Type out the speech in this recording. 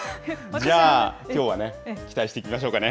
じゃあ、きょうは期待していきましょうかね。